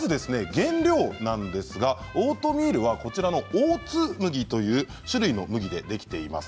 原料なんですがオートミールはこちらのオーツ麦という種類の麦でできています。